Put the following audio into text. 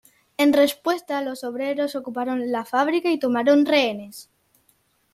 En respuesta los obreros ocuparon la fábrica y tomaron rehenes.